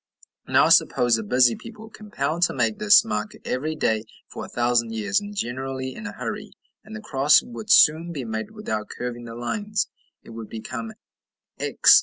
Now suppose a busy people compelled to make this mark every day for a thousand years, and generally in a hurry, and the cross would soon be made without curving the lines; it would become X.